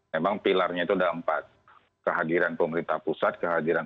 memang pilarnya itu ada empat kehadiran pemerintah pusat kehadiran